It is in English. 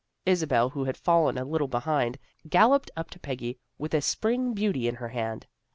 Isabel, who had fallen a little behind, galloped up to Peggy with a spring beauty in her hand.